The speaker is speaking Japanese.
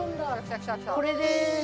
これです。